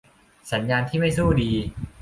สัญญาณที่ไม่สู้ดี